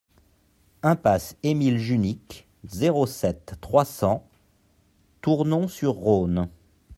Impasse Émile Junique, zéro sept, trois cents Tournon-sur-Rhône